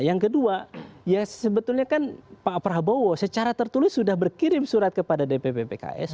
yang kedua ya sebetulnya kan pak prabowo secara tertulis sudah berkirim surat kepada dpp pks